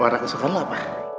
warna kesukaan lo apa